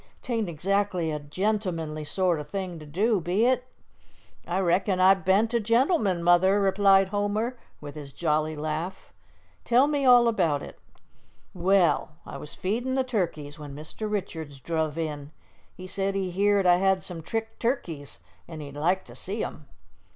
"'Tain't exactly a a gentlemanly sort o' thing to do; be it?" "I reckon I ben't a gentleman, Mother," replied Homer, with his jolly laugh. "Tell me all about it." "Well, I was feedin' the turkeys when Mr. Richards druv in. He said he heered I had some trick turkeys, an' he'd like to see 'em.